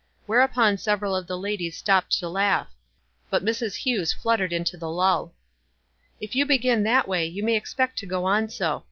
Where upon several of the ladies stopped to laugh ; but Mrs. Hewes fluttered into the lull. "If you begin that way you may expect to go on so.